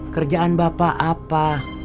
kerjaan bapak apa